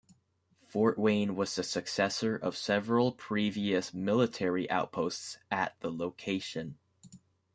Fort Wayne was the successor of several previous military outposts at the location.